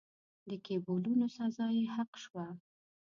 د کېبولونو سزا یې حق شوه.